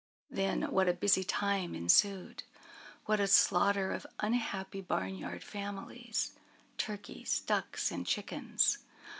Then what a busy time ensued! What a slaughter of unhappy barnyard families turkeys, ducks, and chickens!